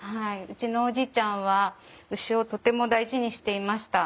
うちのおじいちゃんは牛をとても大事にしていました。